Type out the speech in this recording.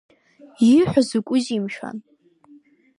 Ииҳәо закәызеи, мшәан?